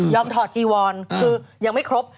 ถอดจีวอนคือยังไม่ครบ